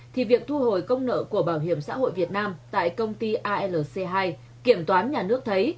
thì việc thu hồi công nợ của bảo hiểm xã hội việt nam tại công ty alc hai kiểm toán nhà nước thấy